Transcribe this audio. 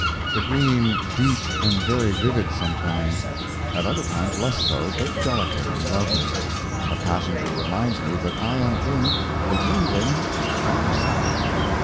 The green, deep and very vivid sometimes; at other times less so, but delicate and lovely. A passenger reminds me that I am in "the England of the Far South."